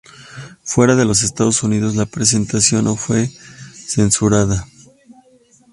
Fuera de los Estados Unidos, la presentación no fue censurada.